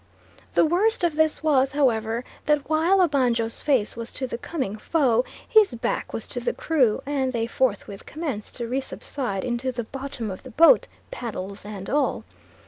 The worst of this was, however, that while Obanjo's face was to the coming foe, his back was to the crew, and they forthwith commenced to re subside into the bottom of the boat, paddles and all.